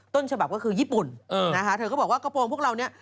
ต้นฉบับก็คือญี่ปุ่นนะคะเธอก็บอกว่ากระโปรงพวกเราเนี่ย